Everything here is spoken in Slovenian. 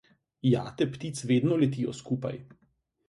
Jate ptic vedno letijo skupaj.